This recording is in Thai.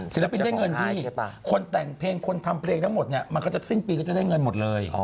ศิลปินได้เงินที่คนแต่งเพลงคนทำเพลงทั้งหมดเนี่ยมันก็จะสิ้นปีก็จะได้เงินหมดเลย